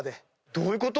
どういうこと